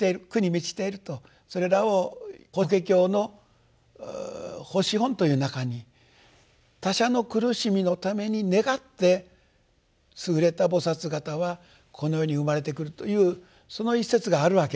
それらを「法華経」の法師品という中に他者の苦しみのために願って優れた菩方はこの世に生まれてくるというその一節があるわけで。